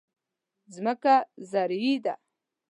ځمکه زرعي ده.